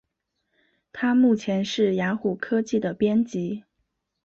他目前是雅虎科技的编辑。